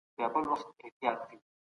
سیلانیان د دې قلعه لیدلو ته ډېر خوښیږي.